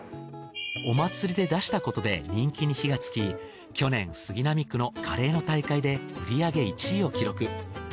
お祭りで出したことで人気に火がつき去年杉並区のカレーの大会で売り上げ１位を記録。